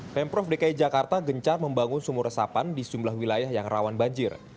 pemprov dki jakarta gencar membangun sumur resapan di sejumlah wilayah yang rawan banjir